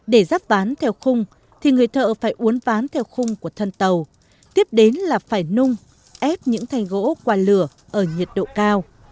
để rắp ván theo khung thì người thợ phải uốn ván theo khung của thân tàu tiếp đến là phải nung ép những thay gỗ qua lửa ở nhiệt độ cao